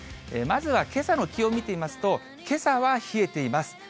まずはけさの気温見てみますと、けさは冷えています。